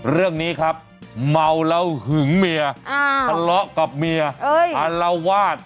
เรื่องนี้ครับเมาแล้วหึงเมียทะเลาะกับเมียอารวาส